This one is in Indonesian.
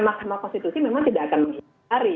mahkamah konstitusi memang tidak akan menghindari